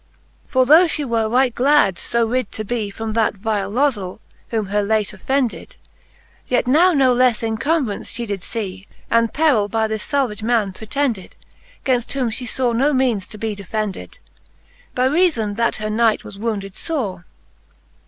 X. For though Ihe were right glad, {o rid to bee From that vile lozell, which her late offended. Yet now no lefle encombrance fhe did lee, And perill by this falvage man pretended j Gainft whom Ihe law no meanes to be defended^. By reafon that her knight was wounded fore.